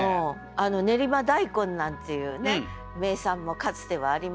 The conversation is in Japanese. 練馬大根なんていうね名産もかつてはありましたよね。